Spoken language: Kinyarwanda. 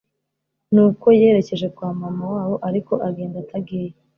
Nuko yerekeje kwa Mama wabo ariko agenda atagiye